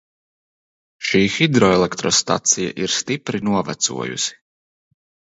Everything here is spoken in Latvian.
Šī hidroelektrostacija ir stipri novecojusi.